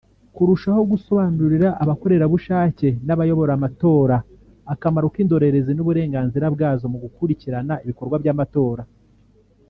Kurushaho gusobanurira abakorerabushake n’abayobora amatora akamaro k’indorerezi n’uburenganzira bwazo mu gukurikirana ibikorwa by’amatora